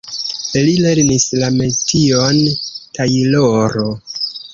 Li lernis la metion tajloro.